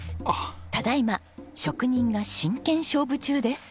ただいま職人が真剣勝負中です。